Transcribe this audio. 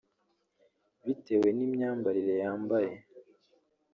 bitewe n’imyambarire yambaye